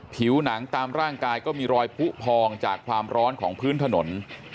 ผิวหนังตามร่างกายก็มีรอยผู้พองจากความร้อนของพื้นถนน